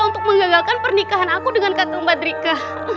untuk mengagalkan pernikahan aku dengan kakang badrika